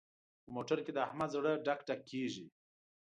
په موټر کې د احمد زړه ډک ډک کېږي.